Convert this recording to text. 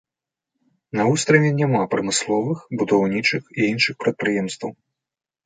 На востраве няма прамысловых, будаўнічых і іншых прадпрыемстваў.